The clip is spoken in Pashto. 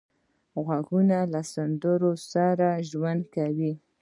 غوږونه له سندرو سره ژوند کوي